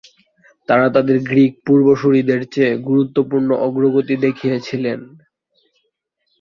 তারা তাদের গ্রীক পূর্বসূরীদের চেয়ে গুরুত্বপূর্ণ অগ্রগতি দেখিয়েছেন।